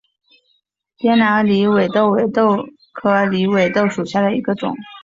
滇南狸尾豆为豆科狸尾豆属下的一个种。